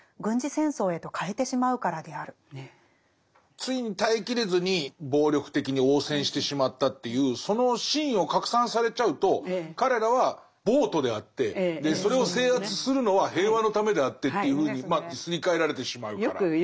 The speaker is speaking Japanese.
ついに耐え切れずに暴力的に応戦してしまったっていうそのシーンを拡散されちゃうと彼らは暴徒であってそれを制圧するのは平和のためであってっていうふうにすり替えられてしまうから。